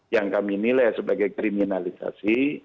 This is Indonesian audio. yang kami nilai sebagai kriminalisasi